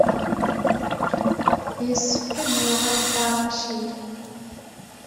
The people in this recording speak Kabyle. Yessefk ad d-yuɣal Dda Racid.